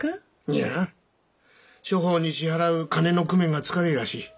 いや諸方に支払う金の工面がつかねえらしい。